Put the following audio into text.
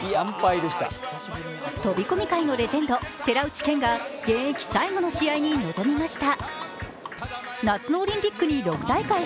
飛込界のレジェンド、寺内健が現役最後の試合に臨みました。